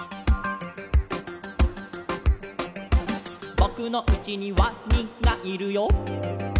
「ぼくのうちにワニがいるよ」